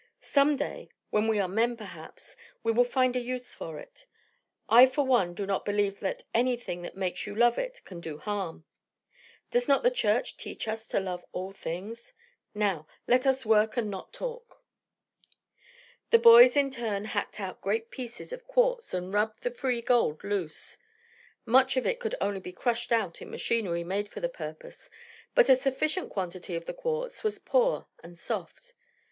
Some day, when we are men, perhaps, we will find a use for it. I for one do not believe that anything that makes you love it can do harm. Does not the Church teach us to love all things? Now let us work and not talk." The boys in turn hacked out great pieces of quartz and rubbed the free gold loose. Much of it could only be crushed out in machinery made for the purpose, but a sufficient quantity of the quartz was poor and soft.